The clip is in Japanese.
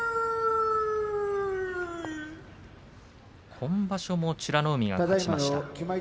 今場所も美ノ海が勝ちました。